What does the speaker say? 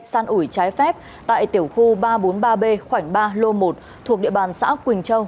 săn ủi trái phép tại tiểu khu ba trăm bốn mươi ba b khoảnh ba lô một thuộc địa bàn xã quỳnh châu